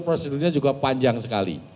prosedurnya juga panjang sekali